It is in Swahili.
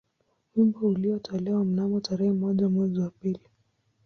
Wimbo ulitolewa mnamo tarehe moja mwezi wa pili